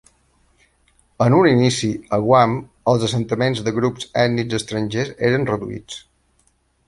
En un inici, a Guam, els assentaments de grups ètnics estrangers eren reduïts.